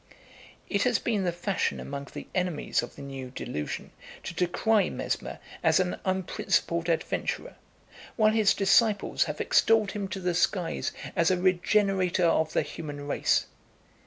It has been the fashion among the enemies of the new delusion to decry Mesmer as an unprincipled adventurer, while his disciples have extolled him to the skies as a regenerator of the human race.